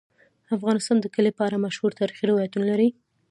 افغانستان د کلي په اړه مشهور تاریخی روایتونه لري.